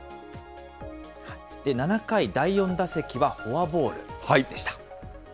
７回、第４打席はフォアボールでした。